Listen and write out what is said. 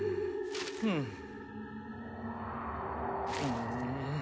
うん。